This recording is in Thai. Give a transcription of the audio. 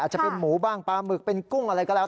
จะเป็นหมูบ้างปลาหมึกเป็นกุ้งอะไรก็แล้ว